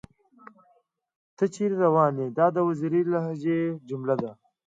تۀ چېرې راوون ئې ؟ دا د وزيري لهجې جمله ده